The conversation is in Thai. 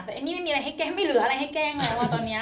แต่เอมมี่ไม่มีอะไรให้แกล้งไม่เหลืออะไรให้แกล้งแล้วตอนนี้